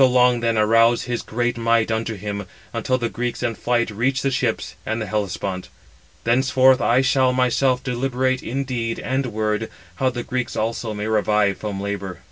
So long then arouse his great might unto him, until the Greeks in flight reach the ships and the Hellespont. Thenceforth I shall myself deliberate in deed and word, how the Greeks also may revive from labour."